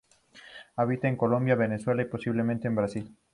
Habita en Colombia, Venezuela y posiblemente en Brasil.